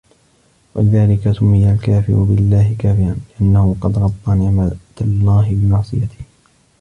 وَلِذَلِكَ سُمِّيَ الْكَافِرُ بِاَللَّهِ كَافِرًا ؛ لِأَنَّهُ قَدْ غَطَّى نِعْمَةَ اللَّهِ بِمَعْصِيَتِهِ